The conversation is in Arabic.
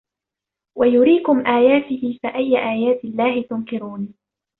وَيُرِيكُمْ آيَاتِهِ فَأَيَّ آيَاتِ اللَّهِ تُنْكِرُونَ